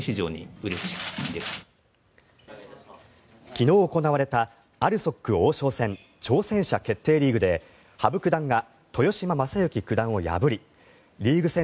昨日行われたＡＬＳＯＫ王将戦挑戦者決定リーグで羽生九段が豊島将之九段を破りリーグ戦